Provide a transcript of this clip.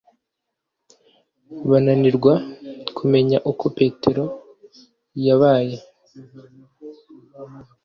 bananirwa kumenya uko Petero yabaye